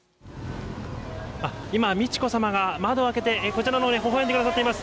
あっ、今、美智子さまが窓を開けて、こちらのほうへほほえんでくださっています。